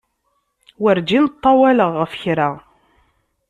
Werǧin ṭṭawaleɣ ɣef kra.